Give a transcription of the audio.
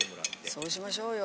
そうしましょうよ。